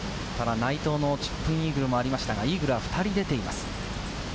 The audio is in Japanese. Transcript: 内藤のチップインイーグルもありましたが、イーグルは２人います。